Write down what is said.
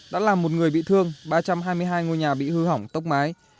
đã làm một người bị thương ba trăm hai mươi hai ngôi nhà bị hư hỏng tốc mái